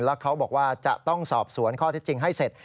แล้วเขาบอกว่าจะต้องสอบสวนข้อเท็จจริงให้เสร็จ